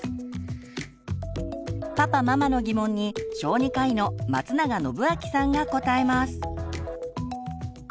パパママの疑問に小児科医の松永展明さんが答えます。